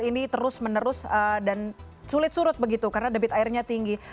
ini terus menerus dan sulit surut begitu karena debit airnya tinggi